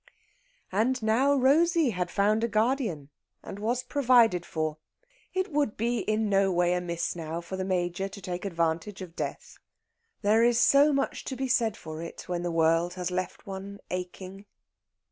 And now Rosey had found a guardian, and was provided for. It would be no way amiss now for the Major to take advantage of death. There is so much to be said for it when the world has left one aching!